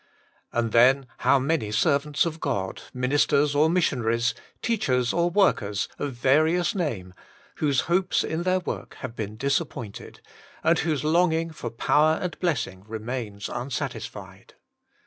And then, how many servants of God, ministers or missionaries, teachers or workers, of various name, whose hopes in their work have been disappointed, 38 WAITING ON GOD! and whose longing for power and blessing re mains unsatisfied.